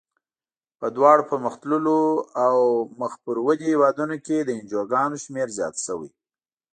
په دواړو پرمختللو او مخ پر ودې هېوادونو کې د انجوګانو شمیر زیات شوی.